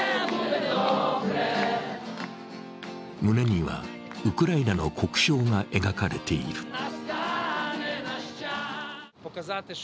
胸にはウクライナの国章が描かれている。